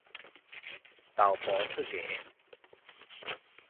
豆酺出芽